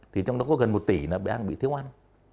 thì trong đó có gần một tỷ đang bị thiếu ăn